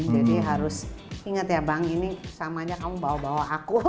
jadi harus inget ya bang ini sama aja kamu bawa bawa aku